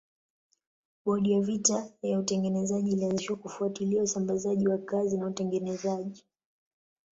Bodi ya vita ya utengenezaji ilianzishwa kufuatilia usambazaji wa kazi na utengenezaji.